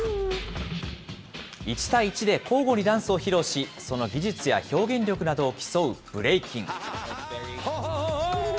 １対１で交互にダンスを披露し、その技術や表現力などを競うブレイキン。